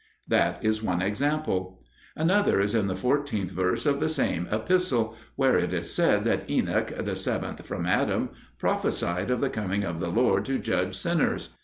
That is one example. Another is in the 14th verse of the same Epistle, where it is said that Enoch, the seventh from Adam, prophesied of the coming of the Lord to judge sinners.